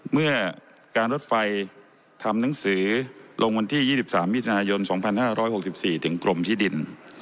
เมื่อการรถไฟทำหนังสือลงวันที่๒๓มิถุนายน๒๕๖๔ถึงกรมที่ดิน